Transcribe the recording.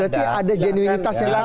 berarti ada genuinitas yang ada dong